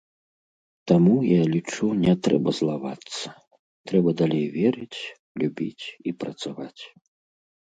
Таму, я лічу, не трэба злавацца, трэба далей верыць, любіць і працаваць.